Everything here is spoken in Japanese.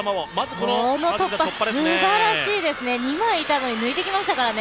この突破、すばらしいですね二枚いたのに抜いてきましたからね。